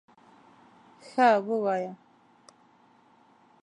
_ښه، ووايه!